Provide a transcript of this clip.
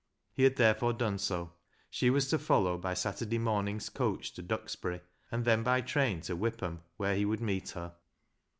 He had therefore done so. She was to follow by Saturday morning's coach to Duxbury, and then by train to Whipham, where he would meet her.